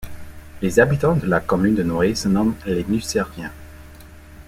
Les habitants de la commune de Noyers se nomment les Nucériens.